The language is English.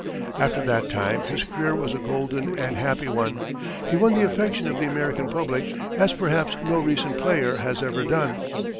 After that time, his career was a golden and happy one. He won the affection of the American public as perhaps no recent player has ever done.